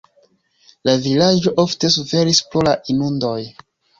La vilaĝo ofte suferis pro la inundoj.